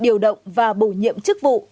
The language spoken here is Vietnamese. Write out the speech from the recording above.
điều động và bổ nhiệm chức vụ